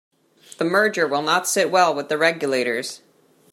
The merger will not sit well with the regulators.